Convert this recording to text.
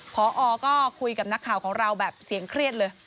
พอก็คุยกับนักข่าวของเราแบบเสียงเครียดเลย